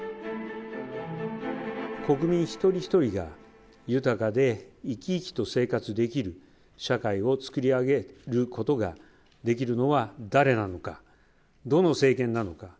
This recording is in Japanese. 国民一人一人が豊かで生き生きと生活できる社会を作り上げることができるのは誰なのか、どの政権なのか。